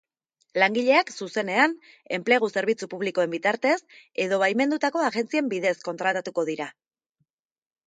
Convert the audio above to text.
Langileak zuzenean, enplegu zerbitzu publikoen bitartez edo baimendutako agentzien bidez kontratatuko dira.